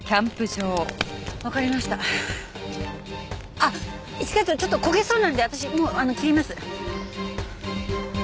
あっ一課長ちょっと焦げそうなんで私もう切ります。